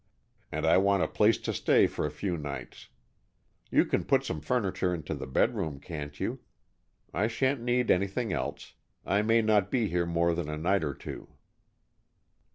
"and I want a place to stay for a few nights. You can put some furniture into the bedroom, can't you? I shan't need anything else. I may not be here more than a night or two."